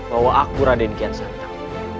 bahwa aku raikian santan